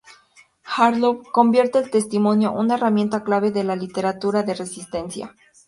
Harlow convierte al testimonio una herramienta clave de la literatura de resistencia.